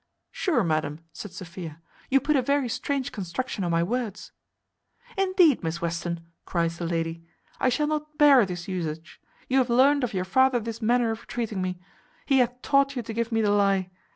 "Sure, madam," said Sophia, "you put a very strange construction on my words." "Indeed, Miss Western," cries the lady, "I shall not bear this usage; you have learnt of your father this manner of treating me; he hath taught you to give me the lie.